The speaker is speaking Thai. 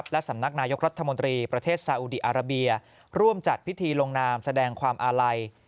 และสำนักนายกรัฐมนตรีประเทศสาอุดีอาราเบียร่วมจัดพิธีลงนามแสดงความอาลัย